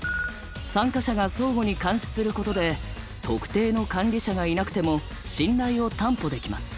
参加者が相互に監視することで特定の管理者がいなくても信頼を担保できます。